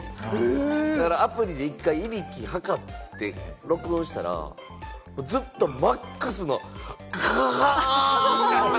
だから、アプリで１回、いびきを測って録音したら、ずっとＭＡＸのガガガー！